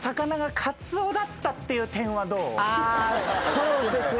そうですね。